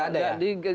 nggak ada ya